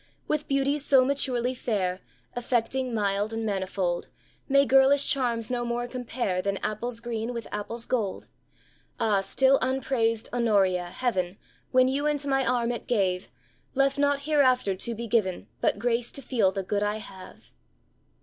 With beauties so maturely fair, Affecting, mild, and manifold, May girlish charms no more compare Than apples green with apples gold. Ah, still unpraised Honoria, Heaven, When you into my arms it gave, Left naught hereafter to be given But grace to feel the good I have.